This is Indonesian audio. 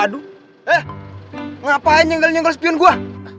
waduh eh ngapain nyengerin yang respion gua